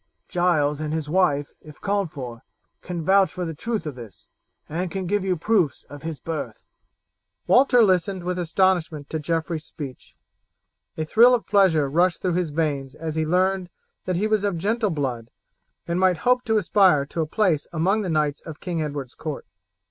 Giles and his wife, if called for, can vouch for the truth of this, and can give you proofs of his birth." Walter listened with astonishment to Geoffrey's speech. A thrill of pleasure rushed through his veins as he learned that he was of gentle blood and might hope to aspire to a place among the knights of King Edward's court.